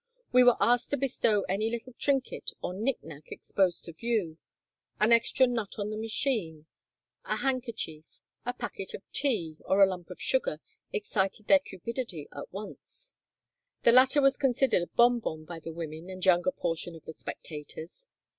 We were asked to bestow any little trinket or nick nack exposed to view. Any extra nut on the machine, a handkerchief, a packet of tea, 124 Across Asia on a Bicycle or a lump of sugar, excited their cupidity at once. The latter was considered a bonbon by the women and younger portion of the spectators.